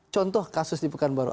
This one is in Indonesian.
contoh kasus di pekanbaru